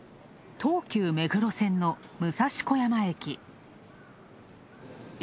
東急目黒線の武蔵小山駅。